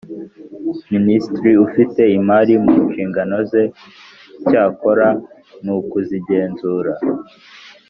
Minisitiri ufite imari mu nshingano ze Icyakora nukuzigenzura